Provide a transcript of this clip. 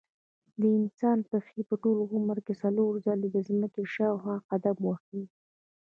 د انسان پښې په ټول عمر کې څلور ځلې د ځمکې شاوخوا قدم وهي.